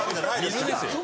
水ですよ。